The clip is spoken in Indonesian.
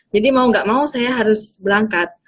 jadi mau gak mau saya harus berangkat